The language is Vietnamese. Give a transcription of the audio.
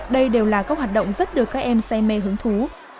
đây đều là các hoạt động rất được các em say mê hứng thú